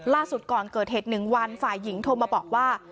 ก่อนเกิดเหตุ๑วันฝ่ายหญิงโทรมาบอกว่า